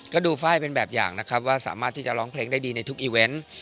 ก็ดูไฟล์เป็นแบบอย่างนะครับว่าสามารถที่จะร้องเพลงได้ดีในทุกอีเวนต์